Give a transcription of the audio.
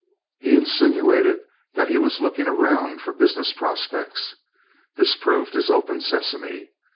He insinuated that he was looking around for business prospects. This proved his open sesame.